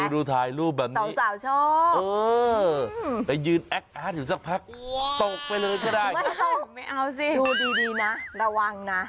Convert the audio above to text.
ดูถ่ายรูปแบบนี้สาวชอบเออไปยืนแอคอาร์ตอยู่สักพักตกไปเลยก็ได้ไม่ตกไม่เอาสิดูดีนะระวังนะ